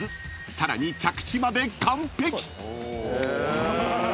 ［さらに着地まで完璧！］